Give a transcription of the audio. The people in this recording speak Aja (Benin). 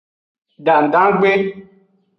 Dandangbe.